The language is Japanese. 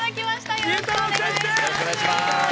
◆よろしくお願いします。